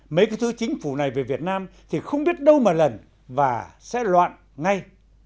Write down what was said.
mấy cái thứ chính phủ này về việt nam thì không biết đâu mà lần và sẽ loạn ngay